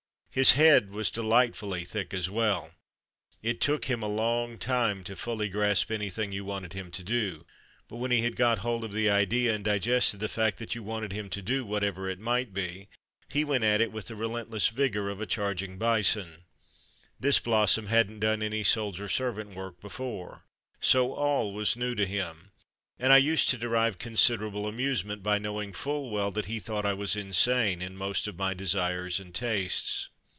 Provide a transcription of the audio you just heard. His head was delightfully thick as well. It took him a long time to fully grasp any thing you wanted him to do, but when he had got hold of the idea and digested the 54 From Mud to Mufti fact that you wanted him to do whatever it might be, he went at it with the relentless vigour of a charging bison. This blossom hadn't done any soldier servant work before, so all was new to him, and I used to derive considerable amuse ment by knowing full well that he thought I was insane in most of my desires and tastes.